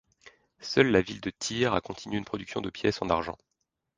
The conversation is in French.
Seule la ville de Tyr a continué une production de pièces en argent.